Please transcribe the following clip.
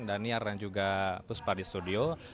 dan niar dan juga puspa di studio